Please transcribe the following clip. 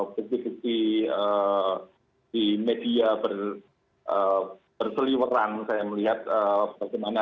ketika di media berseliweran saya melihat